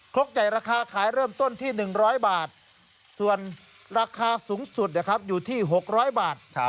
กใหญ่ราคาขายเริ่มต้นที่๑๐๐บาทส่วนราคาสูงสุดอยู่ที่๖๐๐บาท